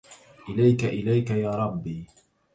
إليك إليك يا ربي